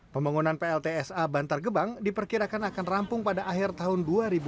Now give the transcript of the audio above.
pembangunan pltsa bantar gebang diperkirakan akan rampung pada akhir tahun dua ribu dua puluh